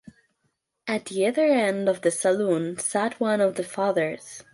At the other end of the saloon sat one of the fathers.